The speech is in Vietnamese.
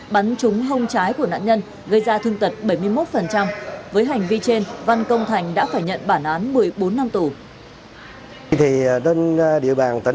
bắn trúng hông trái của nạn nhân gây ra thương tật bảy mươi một